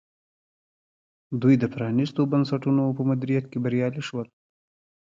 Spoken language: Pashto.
دوی د پرانیستو بنسټونو په مدیریت کې بریالي شول.